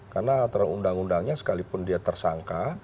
karena terundang undangnya sekalipun dia tersangka